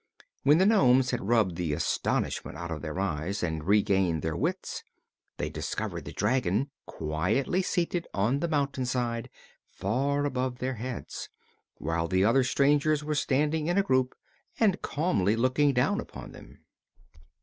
When the nomes had rubbed the astonishment out of their eyes and regained their wits, they discovered the dragon quietly seated on the mountainside far above their heads, while the other strangers were standing in a group and calmly looking down upon them.